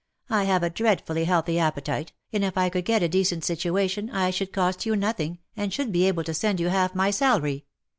I have a dreadfully healthy appetite,, and if I could get a decent situation I should cost you nothing, and should be able to send you half my salary.